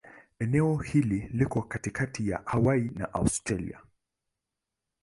Eneo hili liko katikati ya Hawaii na Australia.